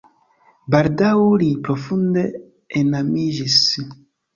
Baldaŭ ili profunde enamiĝis.